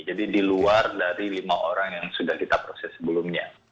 jadi di luar dari lima orang yang sudah kita proses sebelumnya